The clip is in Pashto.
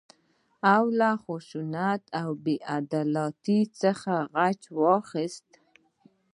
او له خشونت او بې عدالتۍ څخه غچ واخيست.